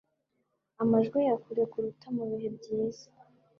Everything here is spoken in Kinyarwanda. amajwi ya kure kuruta mubihe byiza